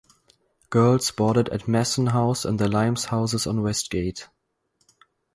Girls boarded at Masson House and The Limes houses on Westgate.